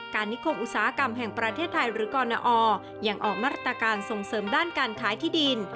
นิคมอุตสาหกรรมแห่งประเทศไทยหรือกรณอยังออกมาตรการส่งเสริมด้านการขายที่ดิน